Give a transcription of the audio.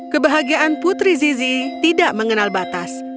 kebahagiaan putri zizi tidak mengenal batas